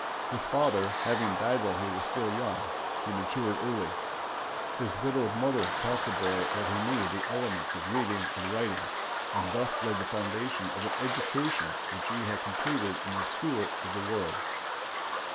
His father having died while he was still young, he matured early. His widowed mother taught the boy at her knee the elements of reading and writing, and thus laid the foundation of an education which has been completed in the school of the world.